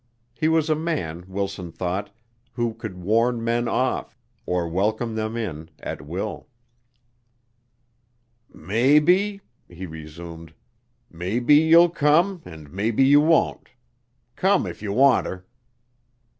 He was a man, Wilson thought, who could warn men off, or welcome them in, at will. "Maybe," he resumed, "maybe you'll come an' maybe you won't. Come if you wanter."